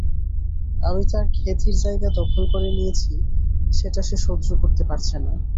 আমি তার খ্যাতির জায়গা দখল করে নিয়েছি সেটা সে সহ্য করতে পারছে না।